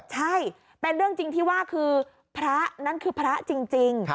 ใช่เป็นเรื่องจริงที่ว่าคือพระนั้นคือพระจริง